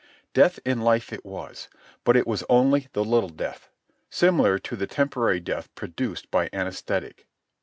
Death in life it was, but it was only the little death, similar to the temporary death produced by an anæsthetic.